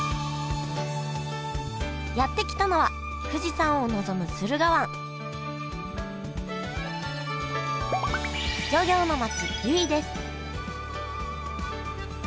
やって来たのは富士山を望む駿河湾漁業の町由比です